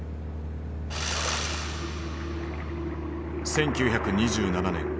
１９２７年。